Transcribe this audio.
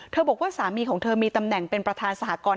บอกว่าสามีของเธอมีตำแหน่งเป็นประธานสหกรณ์